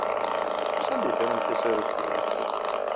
Sanda ay terram tasarut-nwen?